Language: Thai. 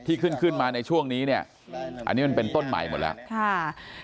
ที่ขึ้นมาในช่วงนี้เนี่ยอันนี้มันเป็นต้นไม้หมดแล้ว